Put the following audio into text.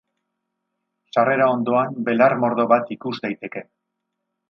Sarrera ondoan, belar mordo bat ikus daiteke.